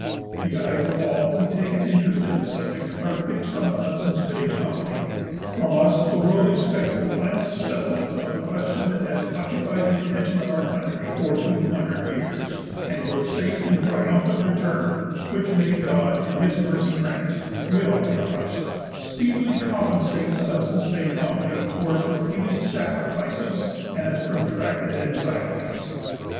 The eyes of all who take an interest in the subject are fixed on the Hudson's Bay Company; from us the world expects the final settlement of the question that has occupied the attention of our country for two hundred years; and your safe and triumphant return, which may God in His mercy grant, will, I trust, speedily compensate the Hudson's Bay Company for its repeated sacrifices and its protracted anxieties.